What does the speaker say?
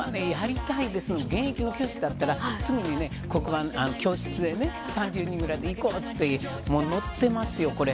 やりたいですが現役の教師だったら、すぐに教室で３０人ぐらいで一個になって踊ってますよこれ。